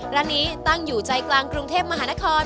ร้านนี้ตั้งอยู่ใจกลางกรุงเทพมหานคร